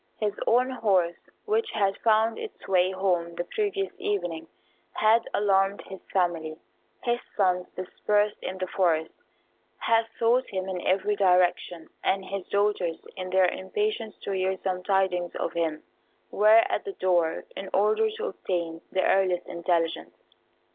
His own horse, which had found its way home the previous evening, had alarmed his family. His sons, dispersed in the forest, had sought him in every direction; and his daughters, in their impatience to hear some tidings of him, were at the door, in order to obtain the earliest intelligence.